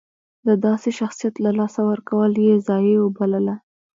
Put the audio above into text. د داسې شخصیت له لاسه ورکول یې ضایعه وبلله.